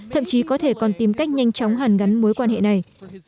thậm chí có thể còn tìm cách nhanh chóng hàn gắn mối quan hệ này